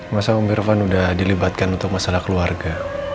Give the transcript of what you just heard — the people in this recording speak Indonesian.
masa om mirvan udah dilibatkan untuk masalah keluarga